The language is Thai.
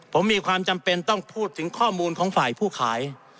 ผมมีความจำเป็นต้องพูดถึงข้อมูลของฝ่ายผู้ขาย